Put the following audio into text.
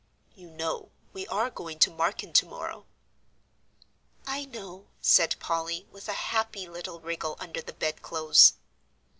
"You know we are going to Marken tomorrow." "I know," said Polly, with a happy little wriggle under the bedclothes.